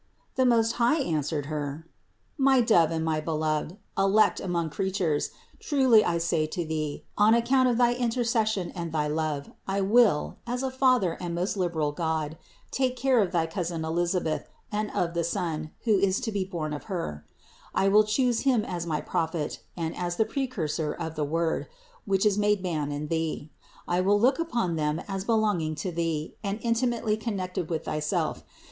The Most High answered Her: "My Dove and my Beloved, elect among creatures, truly I say to thee, that on account of thy in tercession and thy love I will, as a Father and most liberal God, take care of thy cousin Elisabeth and of the son, who is to be born of her: I will choose him as my Prophet and as the Precursor of the Word, which is made man in thee ; I will look upon them as belonging to thee and intimately connected with thyself.